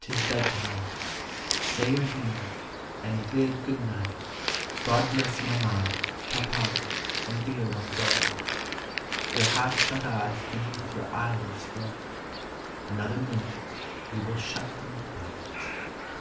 'T is bedtime; say your hymn, and bid "Good night; God bless Mamma, Papa, and dear ones all." Your half shut eyes beneath your eyelids fall, Another minute, you will shut them quite.